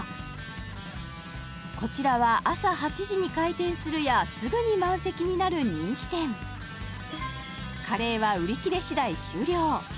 こちらは朝８時に開店するやすぐに満席になる人気店カレーは売り切れ次第終了